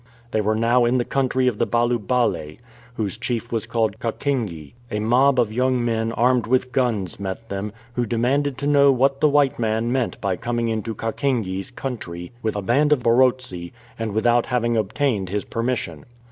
They were now in the country of the Balu bale, whose chief was called Kakenge. A mob of young men armed with guns met them, who demanded to know what the white man meant by coming into Kakenge's country with a band of Barotse, and without having obtained his permission.